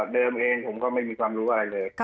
เดิมเองผมก็ไม่มีความรู้อะไรเลย